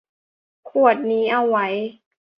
ขวดนี้เอาไว้